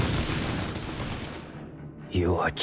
弱き